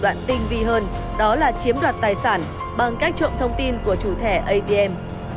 thủ đoạn tinh vi hơn đó là chiếm đoạt tài sản bằng cách trộm thông tin của chủ thẻ atm